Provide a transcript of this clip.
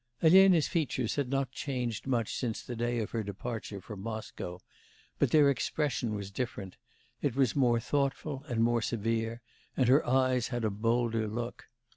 Elena's features had not changed much since the day of her departure from Moscow, but their expression was different; it was more thoughtful and more severe, and her eyes had a bolder look.